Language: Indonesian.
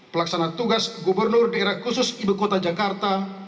pelaksana tugas gubernur daerah khusus ibu kota jakarta